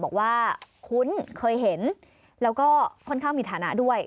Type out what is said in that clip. คุ้นเคยเห็นแล้วก็ค่อนข้างมีฐานะด้วย